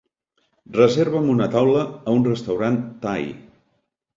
Reserva'm una taula a un restaurant thai.